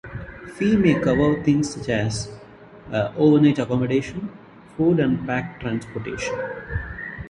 Fees may cover things such as overnight accommodation, food and pack transportation.